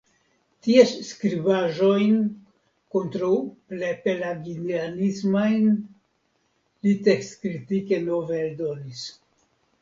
Ties skribaĵojn kontraŭpelagianismajn li tekstkritike nove eldonis.